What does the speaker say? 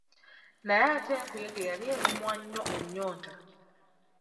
Naye ate enkuyege yali erumwa nnyo ennyonta.